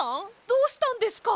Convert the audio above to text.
どうしたんですか？